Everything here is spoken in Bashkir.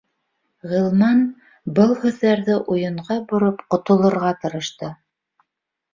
Ғилман был һүҙҙәрҙе уйынға бороп, ҡотолорға тырышты.